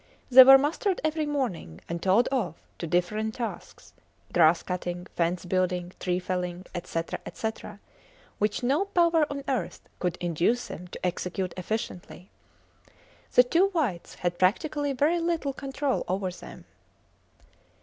They were mustered every morning and told off to different tasks grass cutting, fence building, tree felling, &c., &c., which no power on earth could induce them to execute efficiently. The two whites had practically very little control over them.